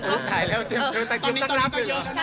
ถ่ายแล้วตอนนี้ก็ยืม